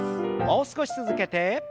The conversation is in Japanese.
もう少し続けて。